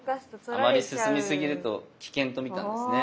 あまり進みすぎると危険とみたんですね。